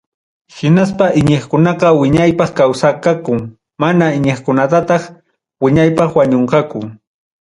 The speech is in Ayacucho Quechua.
Hinaspa iñiqkunaqa wiñaypaq kawsanqaku, mana iñiqkunañataq wiñaypaq wañunqaku.